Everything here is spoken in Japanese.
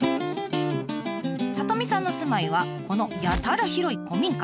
里美さんの住まいはこのやたら広い古民家。